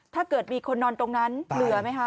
ถ้าเกิดมีคนนอนตรงนั้นเหลือไหมคะ